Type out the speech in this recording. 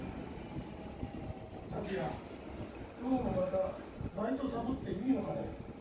「今日もまたバイトさぼっていいのかね」。